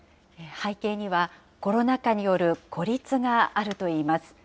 背景には、コロナ禍による孤立があるといいます。